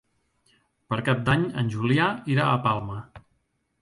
Per Cap d'Any en Julià irà a Palma.